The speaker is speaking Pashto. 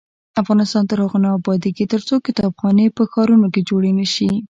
افغانستان تر هغو نه ابادیږي، ترڅو کتابخانې په ښارونو کې جوړې نشي.